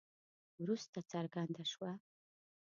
وروسته څرګنده شوه.